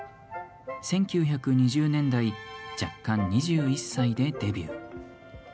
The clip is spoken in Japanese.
１９２０年代若干２１歳でデビュー。